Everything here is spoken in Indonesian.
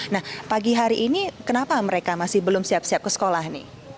nah pagi hari ini kenapa mereka masih belum siap siap ke sekolah nih